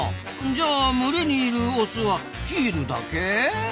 じゃあ群れにいるオスはキールだけ？